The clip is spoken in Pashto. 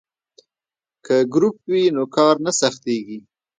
که ګروپ وي نو کار نه سختیږي.